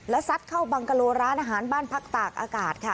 ซัดเข้าบังกะโลร้านอาหารบ้านพักตากอากาศค่ะ